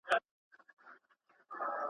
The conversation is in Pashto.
صوفي مخ پر دروازه باندي روان سو.